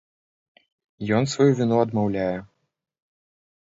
Ён сваю віну адмаўляе.